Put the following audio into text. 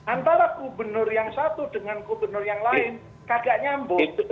antara gubernur yang satu dengan gubernur yang lain kagak nyambung